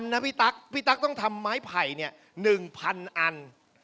นะพี่ตั๊กพี่ตั๊กต้องทำไม้ไผ่๑๐๐อัน